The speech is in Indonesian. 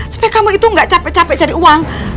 supaya kamu itu nggak capek capek cari uang